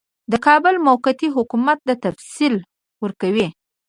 د کابل د موقتي حکومت تفصیل ورکوي.